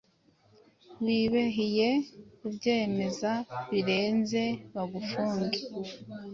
Wibehye kubyemeza birenze bagufunge